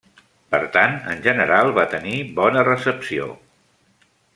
Per tant, en general va tenir bona recepció.